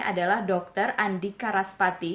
adalah dokter andika raspati